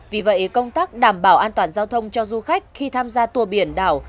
vì vậy công tác đảm bảo an toàn giao thông cho du khách khi tham gia tour biển đảo